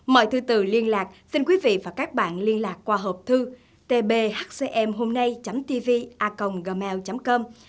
mời thư tử liên lạc xin quý vị và các bạn liên lạc qua hộp thư tbhcmhomnay tvacomgmail com